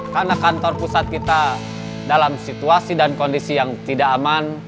karena kantor pusat kita dalam situasi dan kondisi yang tidak aman